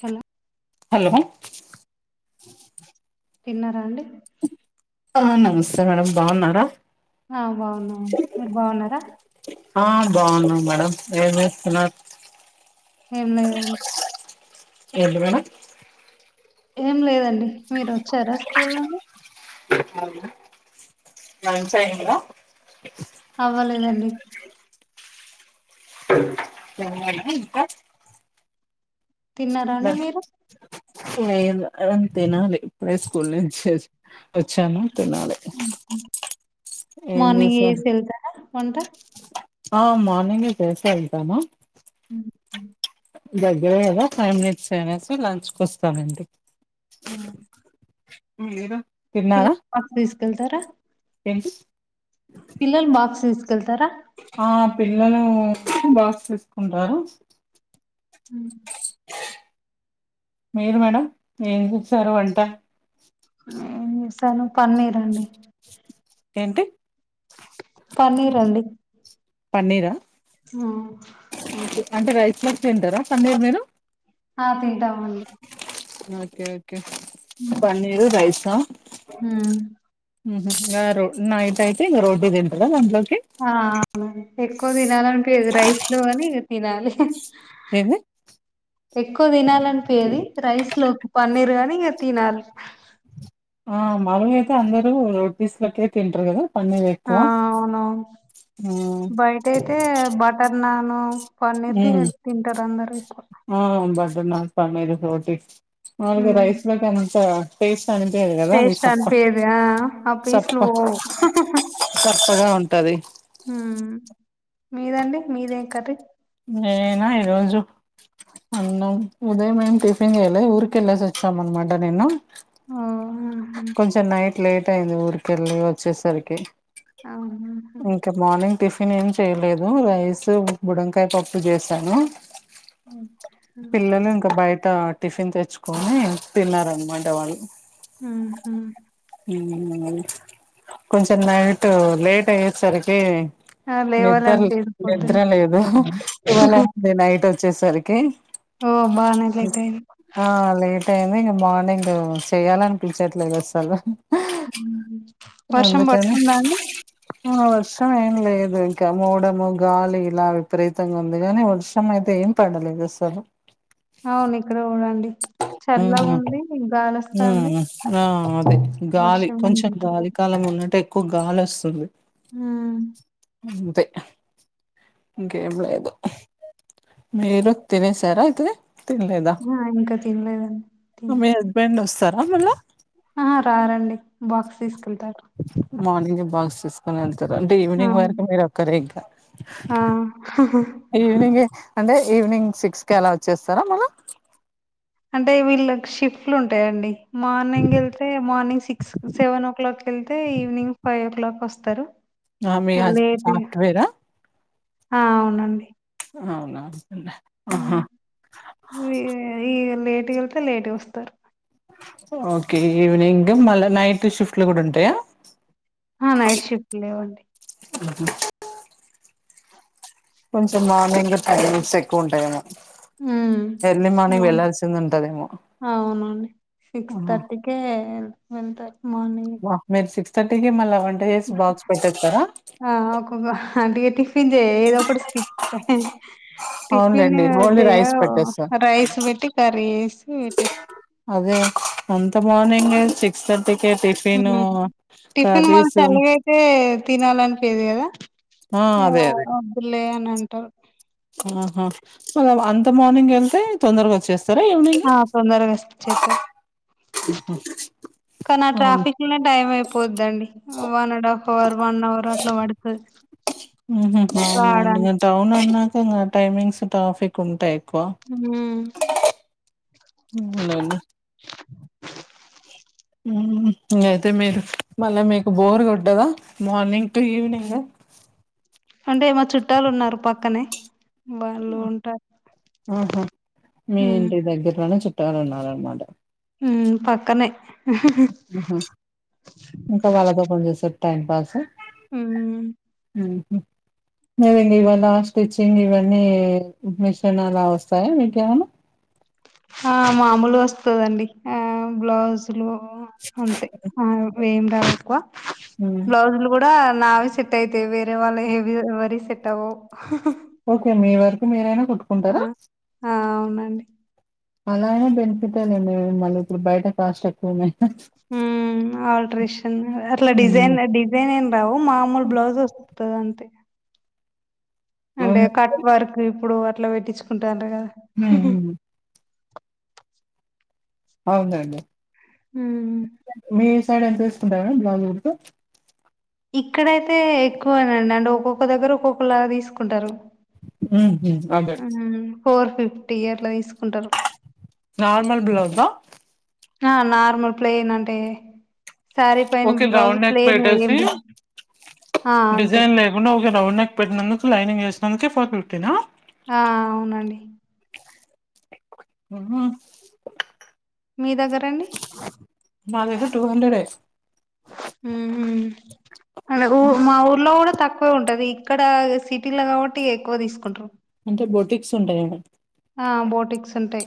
Hello hello తిన్నారా అండి ఆ నమస్తే మేడం బాగున్నారా ఆ బావున్నా మీరు బాగున్నార ఆ బాగున్నా మేడం ఏం చేస్తున్నారు ఏం లేదండి ఏంది మేడం ఏం లేదండి మీరు వచ్చారా స్కూల్ నుండి అవును లంచ్ అయిందా అవ్వలేదండి [unintelligible] ఇంకా తిన్నారా అండి మీరు అంతేనా ఏమన్నా తినాలి ఇప్పుడే స్కూల్ నుంచి వచ్చాను తినాలి ఏం మార్నింగ్ చేశారు చేసేసి వెళ్తారా వంట ఆ మార్నింగ్ ఏ చేసే వెళ్తా మా ఉ దగ్గరే కదా ఫైవ్ మినిట్స్ అనేసి లంచ్ కు వస్తానండి హుమ్ మీరు తిన్నారా ఆఫీస్కెళ్తారా ఎంటి పిల్లలు బాక్స్ తీసుకెళ్తారా ఆ పిల్లలు బాక్స్ తీసుకుంటారు హ మీరు మేడం ఏం జేసారు వంట ఏం జేస్సాను పన్నీర్ అండి ఏంటి పన్నీర్ అండి పన్నీరా ఉ అంటే రైస్ లోక్ తింటారా పన్నీర్ మీరు ఆ తింటామండి ఓకే ఓకే పన్నీరు రైసా హ్మ్. ఉహ్ రారు నైట్ అయితే ఇంగ రోటి తింటారా దాంట్లోకి ఆ అను ఎక్కువ తినాలనిపియ్యది రైస్ లో కాని ఇగ తినాలి ఏంది ఎక్కువ తినాలనిపియది రైస్ లోక్ పన్నీరు కనీ ఇగ తినాల్ ఆ మామూలుగయితే అందరూ రోటీస్ లోకే తింటరు కదా ఆ పన్నీరేక్కువ ఊ టేతే బటర్ నాను పన్నీర్ దిగ తింటర్ అందరు ఎక్కువ ఆ బజర్ నాన్ పన్నీర్ రోటీ మాములుగా ఉమ్ రైస్ లోక్ అద్ ఎంత టేస్ట్ అనిపీయది గదా అది టేస్ట్ సప్ప అనిపియది ఆ ఆ పీస్లు సప్ప పోవు సప్పగా ఉంటాది హు మీదండి మీదేం కరీ నేనేనా ఈ రోజు అన్నం ఉదయ్ మేమ్ టిఫిన్ జేయలే ఊరికెళ్ళేస్ ఒచ్చాం అన్మాట నిన్నా ఓ ఆహా కొంచెం నైట్ లేట్ అయింది ఊరికెళ్ళి ఒచ్చేసరికి అవును హు క మార్నింగ్ టిఫిన్ ఏం చేయలేదు రైస్ బుడంకాయ్ పప్పు జేసాను ఓకే పిల్లలు ఇంక బయట టిఫిన్ తెచ్చుకొని తిన్నారనమాట వాళ్ళు ఆ హ ఉ ఉ ఉమ్ కొంచెం నైట్ లేట్ అయ్యేసరికి ఆ నిద్దర్ లేవాలనిపియదు పొద్దున నిద్ర లేదు టువెల్ అయింది నైట్ ఒచ్చేసరికి ఓ బానే లేటైంది ఆ లేట్ అయింది ఇంగ మార్నింగు చెయ్యాలనిపించట్లేద్ అసలు ఉహ్మ్ వర్షం అందుకని బడుతుందా అండి ఆ వర్షం ఏం లేదు ఇంకా మూడము గాలి ఇలా విపరీతంగా ఉంది కానీ వర్షం అయితే ఏం పడలేదు అసలు అవును ఇక్కడ గూడండి చర్లాగుంది గాలోస్తంది రా అదే గాలి కొంచెం గాలి పడుతున్నది కాలం ఉన్నట్ ఎక్కువ్ గాలోస్తుంది ఉ అంతే ఇంకేం లేదు మీరు తినేసారా అయితేది తిన్లేద అ ఇంకా తినలేదండి అ మీ హస్బెండ్ ఒస్తారా మళ్ళా ఆ రారండి బాక్స్ తీసుకెళ్తారు మార్నింగ్ ఎ బాక్స్ తీసుకొన్ ఎళ్తరంటే ఆ ఈవినింగ్ వరకు మీరు ఒక్కరే ఇంకా ఆ హ హ ఈవినింగే అంటే ఈవినింగ్ సిక్స్ కలా వచ్చేస్తారా మల్ల అంటే వీళ్ళ షిఫ్ట్లు ఉంటయండి మార్నింగ్ వెళ్తే morning six seven o'clock కేళ్తే ఈవినింగ్ ఫైవ్ ఓ క్లాక్ వస్తరు ఆ మీ హస్బెండ్ లేట్ సాఫ్ట్వేరా ఆ అవునండి అవున అమ్మ ఉమ్ ఈ లేట్క వెళ్తే లేట్ వస్తరు ఓకే ఈవినింగ్ మళ్ళా నైట్ షిఫ్ట్లు కూడ ఉంటయా ఆ నైట్ షిఫట్లేవండి ఉహు కొంచెం మార్నింగ్ టైమింగ్స్ ఎక్కుఉంటఏమో ఎర్లీ మార్నింగ్ ఉమ్ వెళ్లాల్సింది ఉంటదేమో కే ఎంత మార్నింగ్ ఆ మీరు సిక్స్ థర్టీకి మళ్ళా వంట చేస్ బాక్స్ పెట్టేస్తరా ఆ ఒక్కగో అంటే టిఫిన్ చేయ ఏద ఒకటి స్కిప్ టిఫిన్ అవునులేండి ఓన్లీ చెయ రైస్ పెట్టేస్తా రైస్ పెట్టి కర్రీ వేసి పెట్టేస్ అదే అంత మార్నింగే తర్టికి టిఫిన్ కర్రీసు తే తినాలనిపియదు కదా ఆ అదే అదే వద్దులే అని అంటారు ఆహా మ అంత మార్నింగ్ వెళ్తే తొందరగా వచ్చేస్ సరే ముందు ఆ తొందరగ్ చేరుతరు కన ఆ అవును ట్రాఫక్ ఇలా టైం అయిపోద్దండి one and half hour one hour అట్ల పడుతది ఉహు అవునండి ఇగ రావడానికి. టౌన్ అన్నాక ఇ టైమింగ్స్ ట్రాఫిక్ ఉంటాయి ఎక్కువ ఉమ్ ఉమ్ నన్ను ఉమ్ ఇంగయితే మీరు మళ్ళ మీకు బోర్ కొట్టదా మార్నింగ్ టు ఈవినింగ అంటే ఏమో చుట్టాలు ఉన్నారు పక్కనే వాళ్ళు ఉంటా ఆహా మీ ఉమ్ ఇంటి దగ్గరలోనే చుట్టాలు ఉన్నరన్మాట ఉమ్ పక్కనే ఉహు ఇంకా వాళ్ళతో కొంచెం సేపు టైం పాస ఉమ్ ఉమ్ మండి ఇవాళ స్టిచ్చింగ్ ఇవన్నీ మిషనలా వస్తాయ మీకేమన్న ఆ మామూలుగోస్తదండి ఆ బ్లౌజ్ లు అంతే ఆ ఎమ్మెవెక్కువ ఉమ్ రోజులు కూడా నావి సెట్ అయితయి వేరే వాళ్ళ ఏవివరి సెట్ అవ్వవు ఓకే మీ వరకు మీరైనా ఆ కుట్టుకుంటరా ఆ అవునండి అలానే బెనిఫిట్లేం మళ్ళీ ఇప్పుడు బయట కాస్ట్ ఎక్కువ ఉమ్ ఆల్ట్రేషన్ అట్లా మ్మ్ డిజైన్ డిజైన్ ఏం రావు మామూలు బ్లౌజ్ వస్ తదంతి అంటే అవును కట్ వర్క్ ఇప్పుడు అట్ల పెట్టించుకుంటున్నరు కదా ఉహు ఆ ఉంది ఉంది హు మీ సైడ్ ఎంత తీసుకుంటారు మేడమ్ బ్లౌజ్ కుడితి ఇక్కడ అయితే ఎక్కువై అండి అంటే ఒక్కొక్క దగ్గర ఒక్కొక్కలాగా తీసుకుంటారు ఉహు అదీ హ్మ్. ఫోర్ ఫిఫ్టీ అట్ల తీసుకుంటారు నార్మల్ బ్లౌజ్ ఆ ఆ నార్మల్ ప్లేన్ అంటే సారీ పైన okay blouse round neck plain పెట్టేసి ఏమి ఆ అంతే ఉనే ఉకే రౌండ్ నెక్ పెట్టినందుకు లైనింగ్ ఎసినందుకు ఫోర్ ఫిఫ్టీ నా ఆ అవును అండి ఉహు మీ దగ్గరండి మాది అయితే టూ హండ్రెడ్ ఏయ్ ఉహు ఆది ఒక ఊ మా ఊర్లో కూడా తక్కువే ఉంటది ఇక్కడ సిటీ లో కాబట్టి ఎక్కువ తీసుకుంటారు అంటే బోటిక్స్ ఉంటాయి ఆడ ఆ బోటిక్స్ ఉంటాయి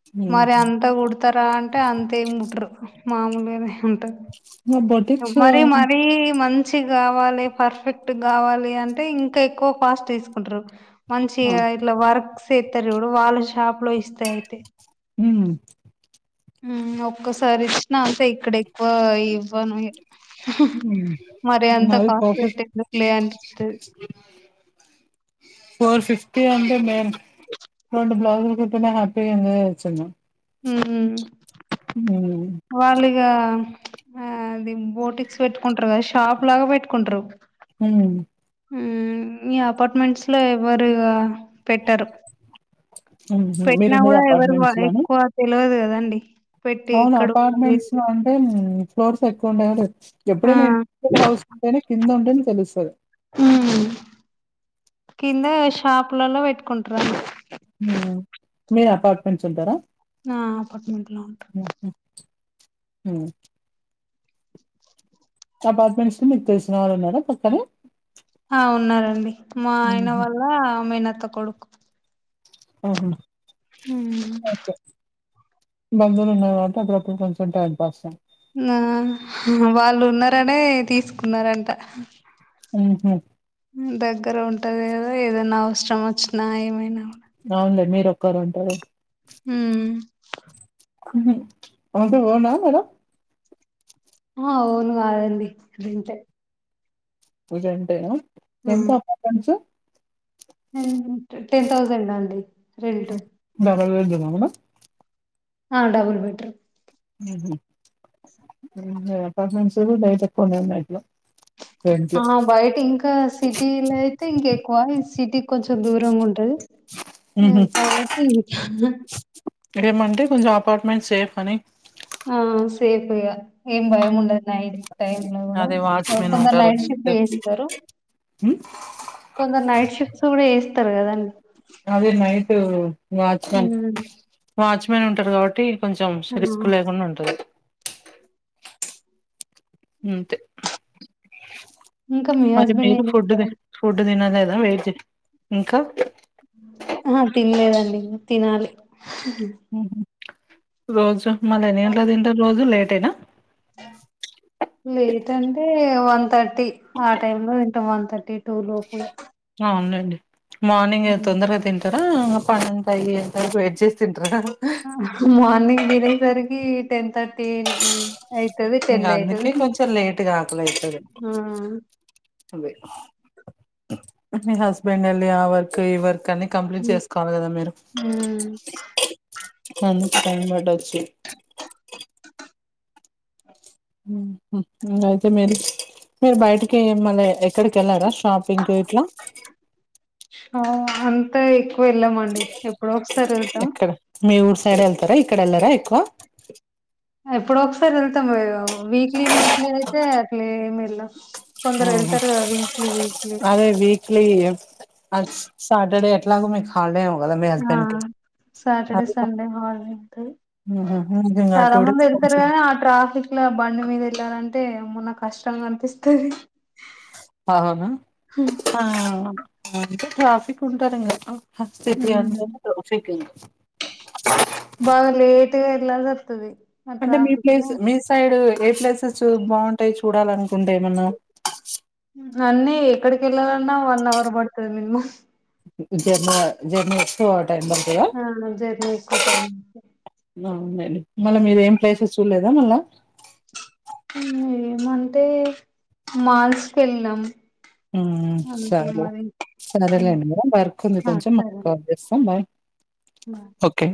ఉహు. మరి అంతా కూడ్ తారా అంటే అంతేమి కుట్రర్ మామూలుగానే ఉంటది [unintelligible] మరీ మరీ ఆ, మన్ చి కావాలి పర్ఫెక్ట్ కావాలి అంటే ఇంకా ఎక్కువ ఫాస్ట్ తీసుకుంటారు మంచిగా ఇట్ల వర్క్స్ ఎస్తారు వాళ్ళ షాప్ లో ఇస్తా అయితే ఉ ఉ ఒక్కసారి ఇచ్చినా అంతే ఇక్కడ ఎక్కువ ఇవ్వను ఉహు ఉమ్. మరి అంత మాది కాస్ట్ ప్రాఫిట్ పెట్టి ఎందుకు లే అనిపిస్తుది ఫోర్ ఫిఫ్టీ అంటే మే రెండు బ్లౌజ్ లు కుట్ కున్న హ్యాపీ గా ఎంజాయ్ చేయచ్చు ఉన్న ఉ ఉ వాళ్లు ఇగ ఆ అది బోటిక్స్ పెట్టుకుంటారు కదా షాప్ లాగా పెట్టుకుంటారు హు ఉ ఇ అపార్ట్మెంట్లో ఎవరు ఇగ పెట్టారు పెట్టినా మీరుండేది కూడా ఎవరు అపార్ట్మెంట్స్ వాడు లోను ఎక్కువ తలవదు కద అండి అవును అపార్మెంట్స్ లో ఆన్ థెయిన్ ఫ్లోర్స్ ఎక్కువ ఉండాయి కాబటి ఎప్పుడు ఆ అయినా [unintelligible] హౌస్ ఉంటే నే కింద ఉంటే నే తెలుస్తాది ఉ కింద షాపులలో పెట్టుకుంటారా ఉ మీరు అపార్ట్మెంట్ ఉంటారా ఆ అపార్ట్మెంట్లో ఉంటాం ఆహా హా అపార్ట్మెంట్స్ లో మీకు తెలిసిన వాళ్ళ ఉన్నార పక్కనే ఆ ఉన్నారండి మా ఆయన హుహు. వాళ్ళ మేనత్త కొడుకు ఆహా ఉమ్. ఓకే బంధువులు ఉన్నారు కాబట్టి అక్కడప్పు కొంచెం టైం పాస నా హ్ వాళ్ళున్నారనే తీసుకున్నారంట ఉ హ దగ్గర ఉంటది కదా ఏదన్నావసరం ఒచ్చినా ఏమైనా అవునులే మీరోక్కర్ ఉంటరు ఉమ్ ఉహ్ హౌస్ ఓన్ హా మీరు హా అవును కాదండి రెంటె పూజ అంటే న ఎంత అపార్టెంట్స్ ఎంటు టెన్ థౌజండ్ అ అండి రెంటు డబల్ బెడ్ నన నా ఆ డబుల్ బెడ్రూమ్ ఉహ్ ఇన్గాఅపార్ట్మెంట్స్ బయట్ ఎక్కువునే ఉన్నాయ్ ఇంట్లో ఆ బయటింకా సిటీలయితే ఇంకేక్కువ ఇద్ సిటీ కొంచెం దూరంగా ఉంటది ఉ హుహు. కావట్టి డె ఏమంటే కొంచెం అపార్ట్మెంట్ సేఫ్ అని ఆ సేఫ్ ఇగ ఏం భయం ఉండద్ నైట్ టైం లో కూడా అదే అ వాచ్‌మెన్ కొందరు ఉంటారు నైట్ షిఫ్ట్ లు చేస్తారు హ్మ్. కొందర్ నైట్ షిఫ్ట్స్ కూడా ఏస్తరు కదండి అదే నైటు వాచ్మెన్ వాచ్మెన్ ఉంటారు కావట్టి కొంచెం ష్రిస్క్ మ్మ్ లేకుండా ఉంటది అంతే ఇంకా మీ మరి హస్బెండ్ మీరు ఏం ఫుడ్ ది చేస్తారండి ఫుడ్ తినలేదా వెయిజు ఇంకా అహ తినలేదండి తినాలి అహు రోజు మళ్ళా ఎన్ని గంట్లక్ తింటర్రోజు లేటేనా లేట్ అంటే వన్ థర్టీ ఆ టైం లో తింట వన్ థర్టీ టూ లోపు అ ఉనండి మార్నింగే హ్మ్. తొందరగా తింట్ టరా అప్పనంత అయ్యేంత వెయిట్ జేస్ తింటరా అహ్ మార్నింగ్ దినేసరికి టెన్ థట్ ఇంగ అందుకే అయితది కొంచెం లేటుగా ఆకలయితది ఆ అదే మీ హస్బెండ్ ఎల్లి ఆవర్ ఓకే ఈ వర్క్ అన్ని కంప్లీట్ చేసుకోవాల్ గదా మీరు మ్మ్ అంద్ టైం బటొచ్చు ఉ హ్ ఇంగ్ అయితే మేలి మీరు బయటికే మళ్ళ ఎక్కడికెళ్ళరా షాపింకీట్లా హా అంతా ఎక్కువెళ్ళమండి ఎప్పుడో ఒకసారెళ్తాం ఎక్కడ మీ ఊరు సైడ్ ఎళ్తరా ఇక్కడెళ్లరా ఎక్కువ ఎప్పుడో ఒకసారి వెళ్తాం ఇ యా వీక్లీ వీక్లీ అయితే అట్లేం ఎల్లం ఆహా కొందరేళ్తారు గా వీక్లీ వీక్లీ అదే వీక్లీ అజ్స్ సాటర్డే ఎట్లాగో మీక్ హాల్డే ఏమో గదా మీ ఆ హస్బెండ్ కి సాటర్డే అదే సండే హాలిడే అంటె ఉహు మీకు ఇంకా చాలా టూ డేస్ మంద్ ఎళ్తరు కొంచెం గానీ ఆ ట్రాఫిక్ ఇట్లా బండి మీద్ ఎళ్ళాలంటే మొన్న కష్టంగనిపిస్తది అహునా ఆ అంటే ట్రాఫిక్ ఉంటారింగా స్థితి అంత ట్రఫిక్ంగ్ బాగా లేేట్గా ఎల్లాల్సొస్తది అంటే మీ ప్లేస్ మీ సైడ్ ఏ ప్లేసెస్ బాగుంటాయి చూడాలనుకుంటే ఏమన్న నన్నీ ఎక్కడకెళ్ళాలన్నా వన్ హవర్ పడుతది అమ్మ జర్మ జర్నీ ఎక్కువ టైమ్ పడ్తద ఆ జర్నీ కుటయి అవునండి మళ్ళ మీరు ఏం ప్లేసెస్ చూడలేదా మళ్ళా ఏమంటే మాల్స్కేల్లీనం సరే ఉ సరేలేండి వర్క్ ఉంది ఆ కొంచెం మళ్ళ కాల్ చేస్తా బాయ్ బ ఓకే